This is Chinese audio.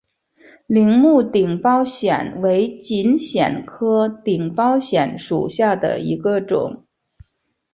铃木顶苞藓为锦藓科顶苞藓属下的一个种。